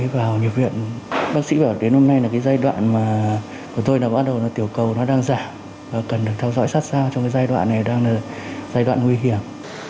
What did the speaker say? bác sĩ bảo đến hôm nay là cái giai đoạn mà của tôi là bắt đầu tiểu cầu nó đang giảm và cần được theo dõi sát sao trong cái giai đoạn này đang là giai đoạn nguy hiểm